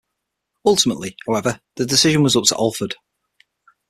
Ultimately, however, the decision was up to Alford.